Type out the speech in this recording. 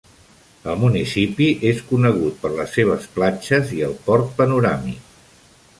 El municipi és conegut per les seves platges i el port panoràmic.